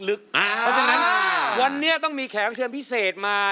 เพราะฉะนั้นวันนี้ต้องมีแขกเชิญพิเศษมา